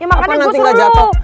ya makanya gua suruh lo